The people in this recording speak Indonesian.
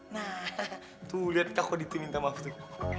nah tuh liat kak kody itu minta maaf tuh